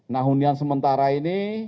nah hunian sementara ini